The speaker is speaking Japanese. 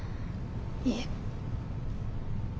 いえ。